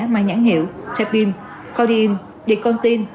mai nhãn hiệu tepin cordium dicontin